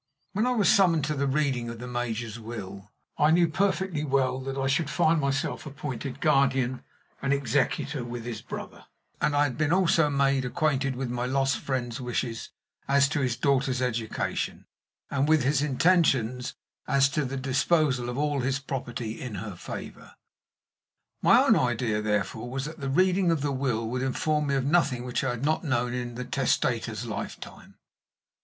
When I was summoned to the reading of the major's will, I knew perfectly well that I should hear myself appointed guardian and executor with his brother; and I had been also made acquainted with my lost friend's wishes as to his daughter's education, and with his intentions as to the disposal of all his property in her favor. My own idea, therefore, was, that the reading of the will would inform me of nothing which I had not known in the testator's lifetime.